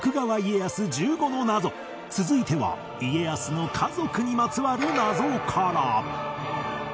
続いては家康の家族にまつわる謎から